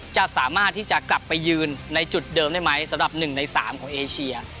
จะสามารถที่จะกลับไปยืนในจุดเดิมได้ไหมสำหรับ๑ใน๓ของเอเชีย